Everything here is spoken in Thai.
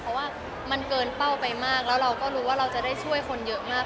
เพราะว่ามันเกินเป้าไปมากแล้วเราก็รู้ว่าเราจะได้ช่วยคนเยอะมาก